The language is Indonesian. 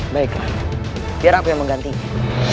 baiklah biar aku yang menggantinya